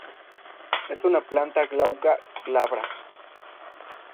Es una planta glauca, glabra.